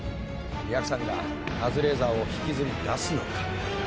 やくさんがカズレーザーを引きずり出すのか？